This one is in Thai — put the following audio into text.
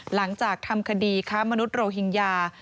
หลังจากทำคดีค้ามนุษยโรฮิงญา